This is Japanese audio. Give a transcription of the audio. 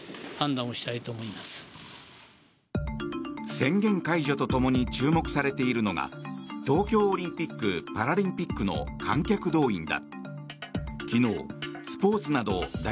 宣言解除とともに注目されているのが東京オリンピック・パラリンピックの観客動員だ。